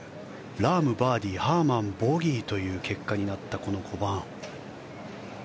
ラーム、バーディーハーマン、ボギーという結果になったこの５番。